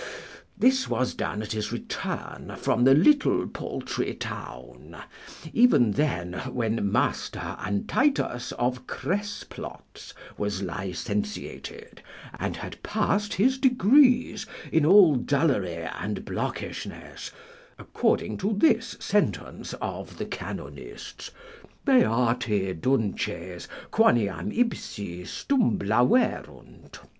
This was done at his return from the little paltry town, even then when Master Antitus of Cressplots was licentiated, and had passed his degrees in all dullery and blockishness, according to this sentence of the canonists, Beati Dunces, quoniam ipsi stumblaverunt.